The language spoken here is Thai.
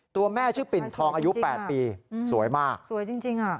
ตัวแม่ชื่อปิ่นทองอายุ๘ปีสวยมากสวยจริงอ่ะ